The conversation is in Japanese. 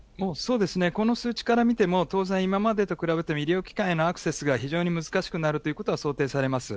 この数値から見ても、当然、今までと比べても、医療機関へのアクセスが非常に難しくなるということが想定されます。